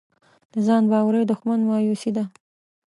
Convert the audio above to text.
د ځان باورۍ دښمن مایوسي ده.